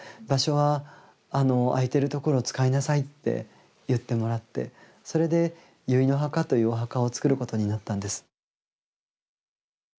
場所は空いてるところを使いなさい」って言ってもらってそれで「結の墓」というお墓をつくることになったんです。